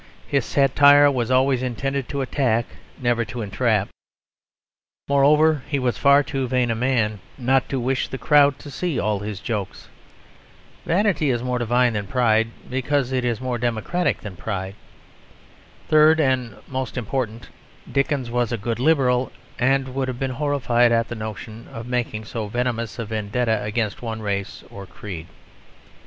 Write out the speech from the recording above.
His satire was always intended to attack, never to entrap; moreover, he was far too vain a man not to wish the crowd to see all his jokes. Vanity is more divine than pride, because it is more democratic than pride. Third, and most important, Dickens was a good Liberal, and would have been horrified at the notion of making so venomous a vendetta against one race or creed.